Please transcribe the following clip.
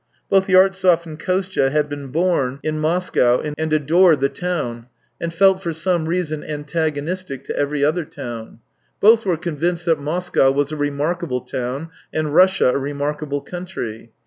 Both Yartsev and Kostva had been born in 28g the tales of tchehov Moscow, and adored the town, and felt for some reason antagonistic to every other town. Both were convinced that Moscow was a remarkable town, and Russia a remarkable country.